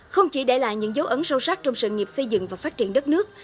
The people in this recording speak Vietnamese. không chỉ để lại những dấu ấn sâu sắc trong sự nghiệp xây dựng và phát triển đất nước